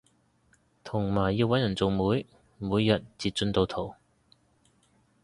同埋要搵人做媒每日截進度圖